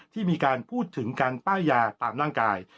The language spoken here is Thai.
ที่มีการพูดถึงการป้ายยาตามร่างกาย